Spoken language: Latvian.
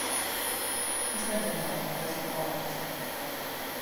Es nedomāju, ka tas ir pareizi!